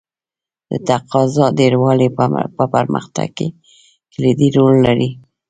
د تقاضا ډېروالی په پرمختګ کې کلیدي رول لري.